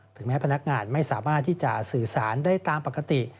แม้พนักงานไม่สามารถที่จะสื่อสารได้ตามปกติ